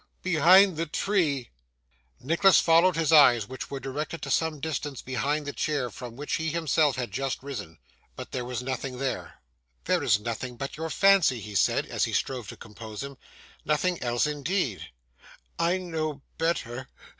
Behind the tree!' Nicholas followed his eyes, which were directed to some distance behind the chair from which he himself had just risen. But, there was nothing there. 'This is nothing but your fancy,' he said, as he strove to compose him; 'nothing else, indeed.' 'I know better.